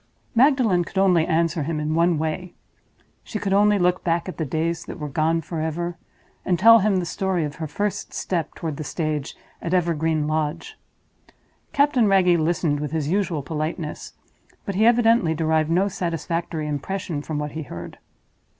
Magdalen could only answer him in one way. She could only look back at the days that were gone forever, and tell him the story of her first step toward the stage at Evergreen Lodge. Captain Wragge listened with his usual politeness; but he evidently derived no satisfactory impression from what he heard.